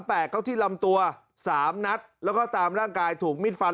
เข้าที่ลำตัวสามนัดแล้วก็ตามร่างกายถูกมิดฟัน